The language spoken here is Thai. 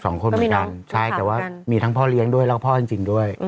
สองคนเหมือนกันใช่แต่ว่ามีทั้งพ่อเลี้ยงด้วยแล้วก็พ่อจริงจริงด้วย